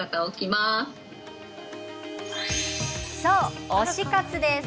そう、推し活です。